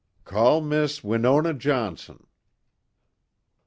"Call Miss Winona Johnson."